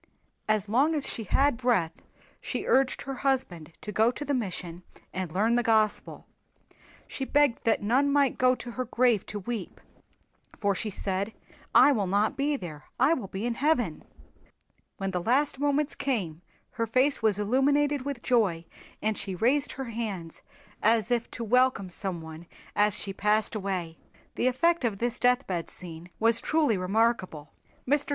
As long as she had breath she urged her husband to go to the mission and learn the Gospel. She begged that none might go to her grave to weep, for she said, "I will not be there. I will be in Heaven." When the last moments came her face was illuminated with joy and she raised her hands as if to welcome someone as she passed away. The effect of this deathbed scene was truly remarkable. Mr.